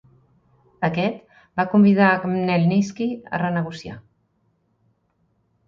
Aquest va convidar Khmelnitski a renegociar.